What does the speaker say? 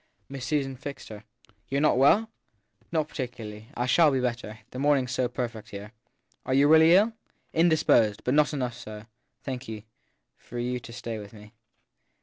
7 Miss Susan fixed her. l You re not well ? 7 Not particularly. I shall be better the morning s so perfect here. Are you really ill ? 7 Indisposed ; but not enough so, thank you, for you to stay with me.